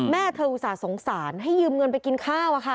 แม่เธออุตส่าห์สงสารให้ยืมเงินไปกินข้าว